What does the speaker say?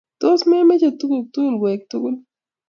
Tos memeche tukuk tukul koek tugul